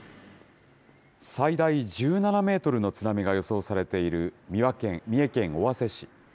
最大１７メートルの津波が予想されている三重県尾鷲市。